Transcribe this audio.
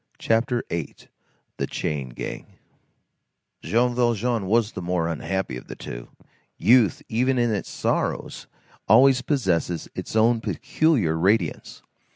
CHAPTER VIII—THE CHAIN GANG Jean Valjean was the more unhappy of the two. Youth, even in its sorrows, always possesses its own peculiar radiance.